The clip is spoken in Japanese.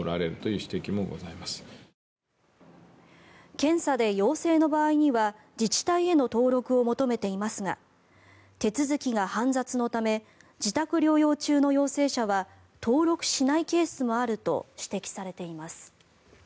検査で陽性の場合には自治体への登録を求めていますが手続きが煩雑のため自宅療養中の陽性者は登録しないケースもあると指摘されています。